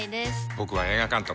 僕は映画監督。